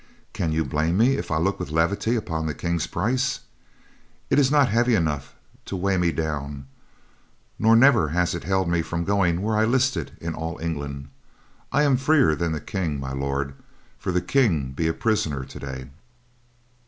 Can you blame me if I look with levity upon the King's price? It be not heavy enough to weigh me down; nor never has it held me from going where I listed in all England. I am freer than the King, My Lord, for the King be a prisoner today."